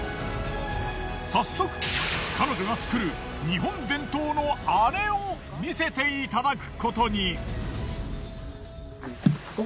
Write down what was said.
早速彼女が作る日本伝統のあれを見せていただくことに。